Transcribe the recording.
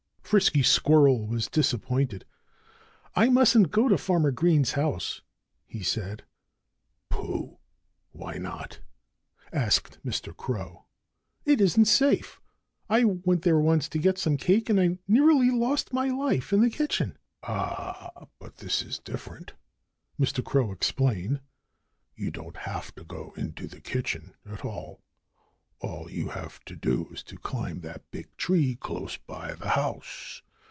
Frisky Squirrel was disappointed. "I mustn't go to Farmer Green's house," he said. "Pooh! Why not?" asked Mr. Crow. "It isn't safe. I went there once to get some cake, and I nearly lost my life in the kitchen." "Ah! But this is different," Mr. Crow explained. "You don't have to go into the kitchen at all. All you have to do is to climb that big tree close by the house.